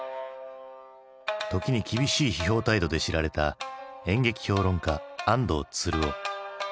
時に厳しい批評態度で知られた演劇評論家安藤鶴夫。